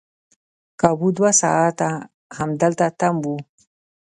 کابو دوه ساعته همدلته تم وو.